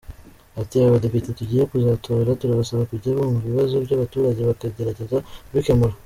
Ati “Aba badepite tugiye kuzatora, turabasaba kujya bumva ibibazo by’abaturage, bakagerageza kubikemura.